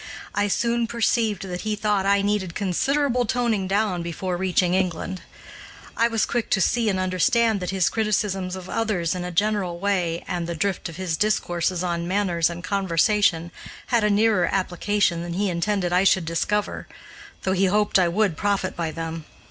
I soon perceived that he thought I needed considerable toning down before reaching England. I was quick to see and understand that his criticisms of others in a general way and the drift of his discourses on manners and conversation had a nearer application than he intended I should discover, though he hoped I would profit by them.